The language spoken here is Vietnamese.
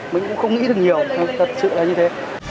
mình cũng không nghĩ được nhiều thì thật sự là như thế